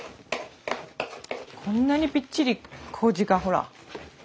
こんなにぴっちりこうじがほら。